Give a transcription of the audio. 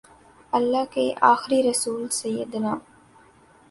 اللہ کے آخری رسول سیدنا